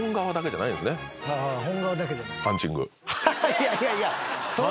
いやいやいや！